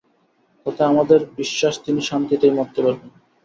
তাতে আমাদের বিশ্বাস তিনি শান্তিতেই মরতে পারবেন।